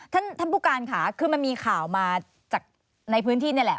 ท่านท่านผู้การค่ะคือมันมีข่าวมาจากในพื้นที่นี่แหละ